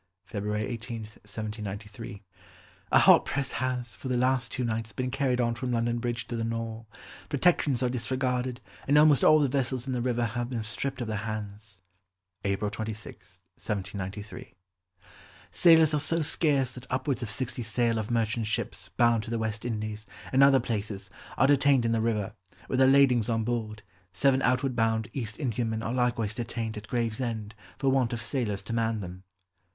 (February 18, 1793.) "A hot press has, for the last two nights, been carried on from London Bridge to the Nore; protections are disregarded, and almost all the vessels in the river have been stripped of their hands." (April 26, 1793.) "Sailors are so scarce that upwards of sixty sail of merchant's ships bound to the West Indies, and other places, are detained in the river, with their ladings on board; seven outward bound East Indiamen are likewise detained at Gravesend, for want of sailors to man them."